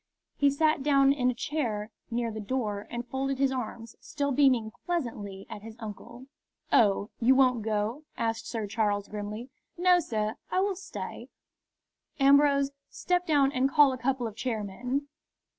He sat down in a chair near the door and folded his arms, still beaming pleasantly at his uncle. "Oh, you won't go?" asked Sir Charles, grimly. "No, sir; I will stay." "Ambrose, step down and call a couple of chairmen."